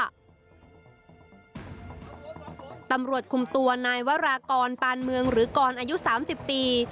ตำรวจคุมตัวนายวรากรปานเมืองหรือกรอายุ๓๐ปี